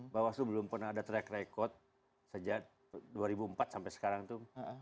bawaslu belum pernah ada track record sejak dua ribu empat sampai sekarang itu